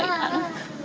ya budi juga